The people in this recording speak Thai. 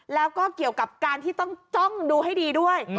แล้วก็เกี่ยวกับการที่ต้องจ้องดูให้ดีด้วย